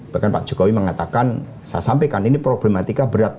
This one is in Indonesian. bahkan pak jokowi mengatakan saya sampaikan ini problematika berat